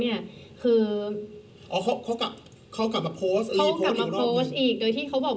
เธออยากให้ชี้แจ่งความจริง